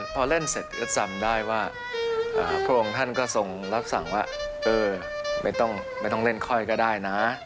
พอเล่นเสร็จก็จำได้ว่าพระองค์ท่านก็ทรงรับสั่งว่าเออไม่ต้องเล่นค่อยก็ได้นะ